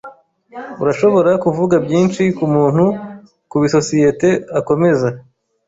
Urashobora kuvuga byinshi kumuntu kubisosiyete akomeza.